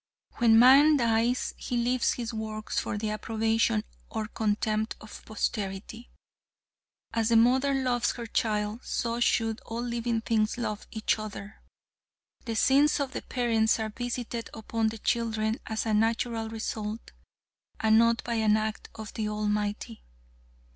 When man dies he leaves his works for the approbation or contempt of posterity. As the mother loves her child, so should all living things love each other. The sins of the parents are visited upon the children as a natural result, and not by an act of the Almighty.